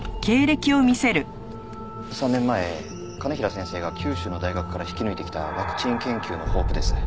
３年前兼平先生が九州の大学から引き抜いてきたワクチン研究のホープです。